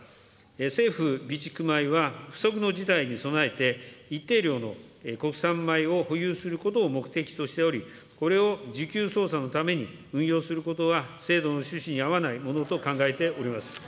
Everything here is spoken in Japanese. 政府備蓄米は不測の事態に備えて、一定量の国産米を保有することを目的としており、これを需給操作のために運用することは、制度の趣旨に合わないものと考えております。